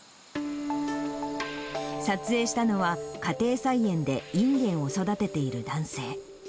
撮影したのは、家庭菜園でインゲンを育てている男性。